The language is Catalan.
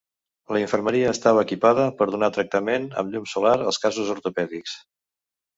La infermeria estava equipada per donar tractament amb llum solar als casos ortopèdics.